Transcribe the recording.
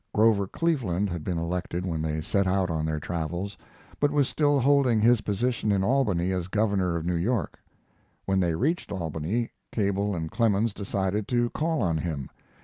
Grover Cleveland had been elected when they set out on their travels, but was still holding his position in Albany as Governor of New York. When they reached Albany Cable and Clemens decided to call on him.